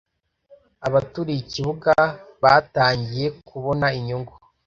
Abaturiye ikibuga batangiye kubona inyungu